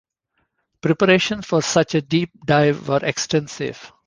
Preparations for such a deep dive were extensive.